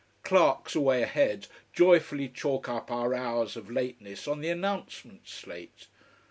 Clerks away ahead joyfully chalk up our hours of lateness on the announcement slate.